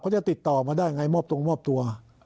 จะติดต่อมาได้ไงมอบตรงมอบตัว